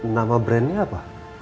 nama brandnya apa